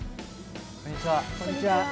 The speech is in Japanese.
こんにちは。